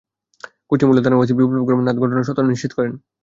Kushtia model থানার OC Biplab Kumar Nath ঘটনার সত্যতা নিশ্চিত করেন।